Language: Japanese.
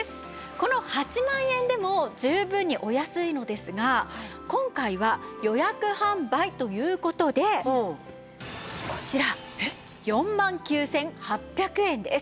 この８万円でも十分にお安いのですが今回は予約販売という事でこちら４万９８００円です。